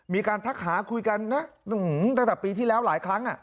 ทักหาคุยกันนะตั้งแต่ปีที่แล้วหลายครั้ง